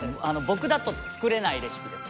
僕だと作れないレシピですね。